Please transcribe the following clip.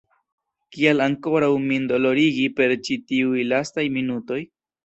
Kial ankoraŭ min dolorigi per ĉi tiuj lastaj minutoj?